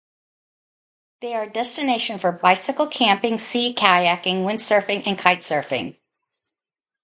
They are a destination for bicycle camping, sea kayaking, windsurfing and kitesurfing.